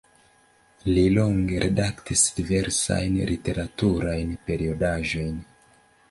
Li longe redaktis diversajn literaturajn periodaĵojn.